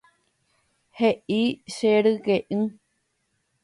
He'i che ryke'y